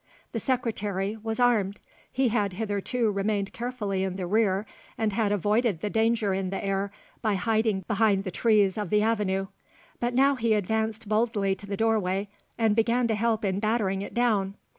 The Secretary was armed. He had hitherto remained carefully in the rear, and had avoided the danger in the air by hiding behind the trees of the avenue; but now he advanced boldly to the doorway and began to help in battering it down.